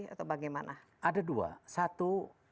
atau bagaimana ada dua satu